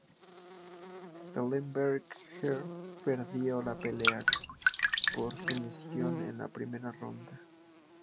Ellenberger perdió la pelea por sumisión en la primera ronda.